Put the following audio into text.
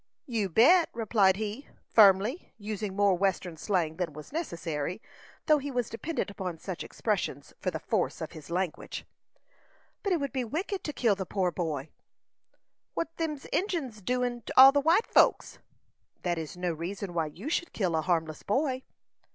"You bet!" replied he, firmly, using more western slang than was necessary, though he was dependent upon such expressions for the force of his language. "But it would be wicked to kill the poor boy." "What's them Injins doin' to all the white folks?" "That is no reason why you should kill a harmless boy."